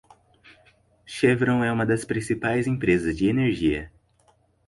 Chevron é uma das principais empresas de energia.